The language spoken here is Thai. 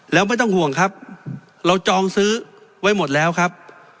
แล้วไม่ต้องห่วงครับเราจองซื้อไว้หมดแล้วครับ